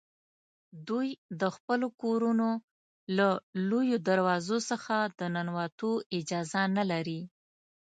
دوی د خپلو کورونو له لویو دروازو څخه د ننوتو اجازه نه لري.